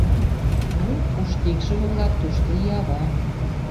Ну, кушто икшыве-влак, тушто и ава.